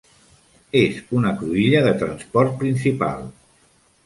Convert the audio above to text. És una cruïlla de transport principal.